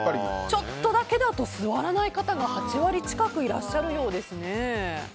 ちょっとだけだと座らない方が８割近くいらっしゃるそうですね。